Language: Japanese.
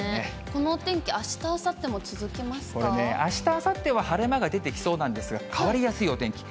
このお天気、あした、あさっこれね、あした、あさっては晴れ間が出てきそうなんですが、変わりやすいお天気。